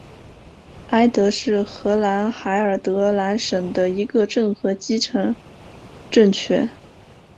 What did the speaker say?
埃德是荷兰海尔德兰省的一个镇和基层政权。